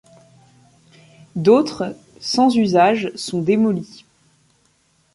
D’autres, sans usage, sont démolis.